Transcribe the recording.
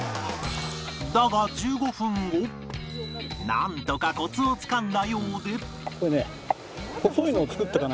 だが１５分後なんとかコツをつかんだようで